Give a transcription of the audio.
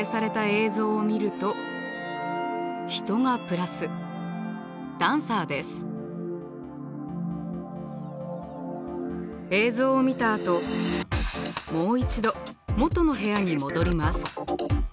映像を見たあともう一度元の部屋に戻ります。